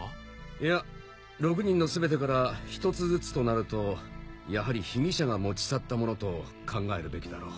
いや６人の全てから１つずつとなるとやはり被疑者が持ち去ったものと考えるべきだろう。